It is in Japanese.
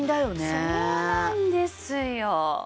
そうなんですよ。